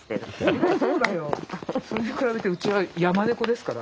それに比べてうちは山猫ですから。